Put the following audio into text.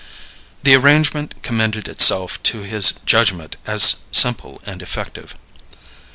The arrangement commended itself to his judgment as simple and effective.